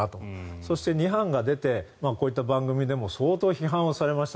そして２版が出てこういった番組でも相当批判されました。